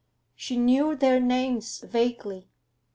She knew their names vaguely.